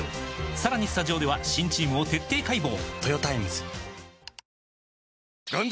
さらにスタジオでは新チームを徹底解剖！